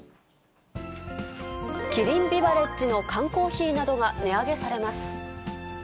キリンビバレッジの缶コーヒーなどが値上げされます。